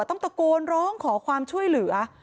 ต้องตะโกนร้องขอความช่วยเหลือ